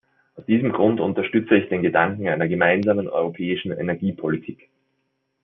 Aus diesem Grund unterstütze ich den Gedanken einer gemeinsamen europäischen Energiepolitik.